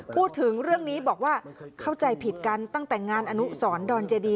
พูดถึงเรื่องนี้บอกว่าเข้าใจผิดกันตั้งแต่งานอนุสรดอนเจดี